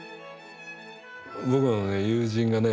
僕の友人がね